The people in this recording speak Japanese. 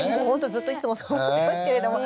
ずっといつもそう思ってますけれども。